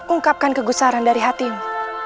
ungkapkan kegusaran dari hatimu